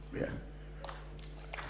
bersama dengan mas gibran